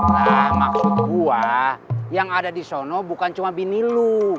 nah maksud gua yang ada disono bukan cuma bini lu